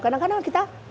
karena kadang kadang kita